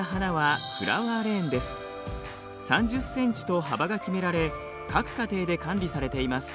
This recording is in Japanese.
３０ｃｍと幅が決められ各家庭で管理されています。